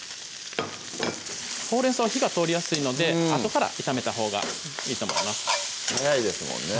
ほうれん草は火が通りやすいのであとから炒めたほうがいいと思います早いですもんね